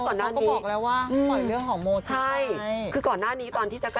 เพราะว่าก่อนหน้าที่